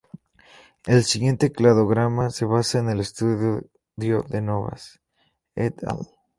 El siguiente cladograma se basa en el estudio de Novas "et al.